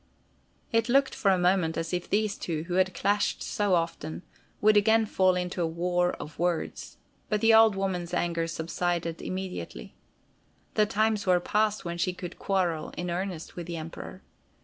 It looked for a moment as if these two, who had clashed so often, would again fall into a war of words, but the old woman's anger subsided immediately. The times were past when she could quarrel in earnest with the Emperor.